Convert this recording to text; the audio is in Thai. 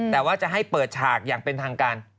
แต่ว่าจะให้เปิดฉากอย่างเป็นทางการ